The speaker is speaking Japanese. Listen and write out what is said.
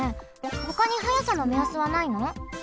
ほかに速さのめやすはないの？